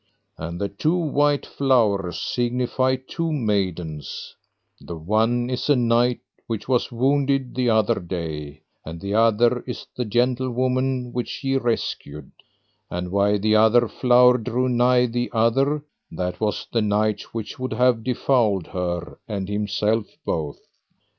And the two white flowers signify two maidens, the one is a knight which was wounded the other day, and the other is the gentlewoman which ye rescued; and why the other flower drew nigh the other, that was the knight which would have defouled her and himself both.